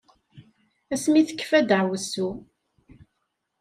Ass mi tekfa daɛwessu.